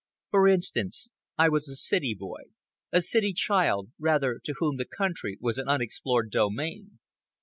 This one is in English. For instance, I was a city boy, a city child, rather, to whom the country was an unexplored domain.